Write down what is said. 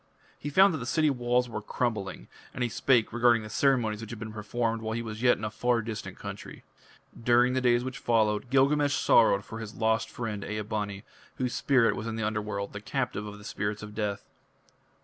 He found that the city walls were crumbling, and he spake regarding the ceremonies which had been performed while yet he was in a far distant country. During the days which followed Gilgamesh sorrowed for his lost friend Ea bani, whose spirit was in the Underworld, the captive of the spirits of death.